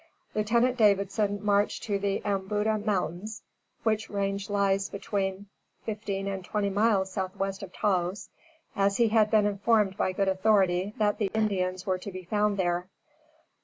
Lieutenant Davidson marched to the "Embuda Mountains" (which range lies between fifteen and twenty miles southwest of Taos), as he had been informed by good authority that the Indians were to be found there.